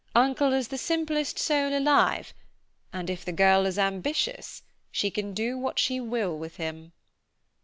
Uncle is the simplest soul alive, and if the girl is ambitious, she can do what she will with him.